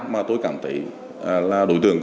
mà tôi cảm thấy là đội tưởng